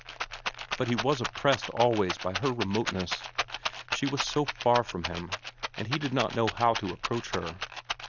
But he was oppressed always by her remoteness. She was so far from him, and he did not know how to approach her.